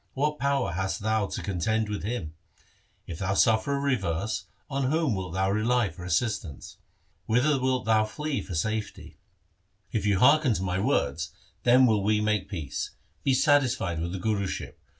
What power hast thou to contend with him ? If thou suffer a reverse, on whom wilt thou rely for assistance ? Whither wilt thou flee for safety ? If thou hearken to my words, then will we make peace. Be satisfied with the Guruship.